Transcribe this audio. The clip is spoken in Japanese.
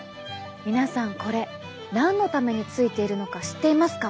皆さんこれ何のためについているのか知っていますか？